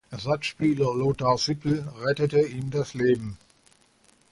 Ersatzspieler Lothar Sippel rettete ihm das Leben.